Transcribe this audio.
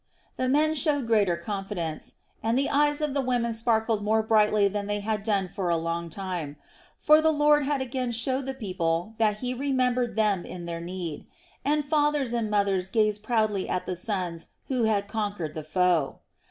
The men showed greater confidence, and the eyes of the women sparkled more brightly than they had done for a long time; for the Lord had again showed the people that He remembered them in their need; and fathers and mothers gazed proudly at the sons who had conquered the foe.